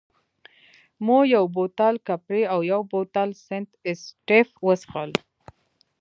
مو یو بوتل کپري او یو بوتل سنت اېسټېف وڅېښل.